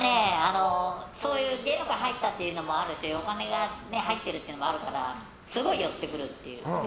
そういう芸能界入ったというのもあるしお金が入ってるっていうのもあるからすごい寄ってくる。